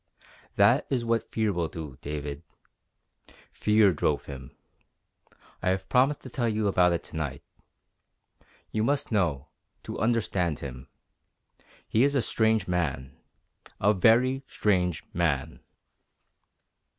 That is what fear will do, David. Fear drove him. I have promised to tell you about it to night. You must know, to understand him. He is a strange man a very strange man!"